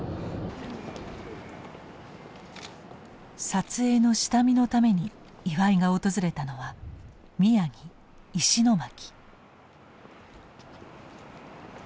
撮影の下見のために岩井が訪れたのは宮城石巻。